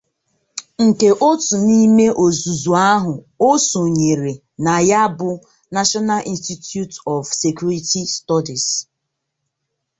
nke ótù n'ime ọzụzụ ahụ o sonyere na ya bụ 'National Institute of Security Studies